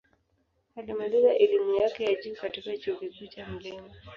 Alimaliza elimu yake ya juu katika Chuo Kikuu cha Mt.